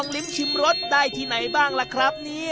การที่บูชาเทพสามองค์มันทำให้ร้านประสบความสำเร็จ